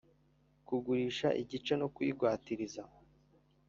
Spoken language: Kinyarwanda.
kugurisha igice no kuyigwatiriza;